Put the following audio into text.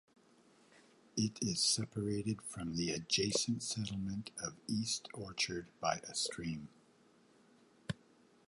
It is separated from the adjacent settlement of East Orchard by a stream.